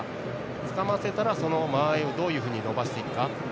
つかませたら、間合いをどういうふうに伸ばしていくか。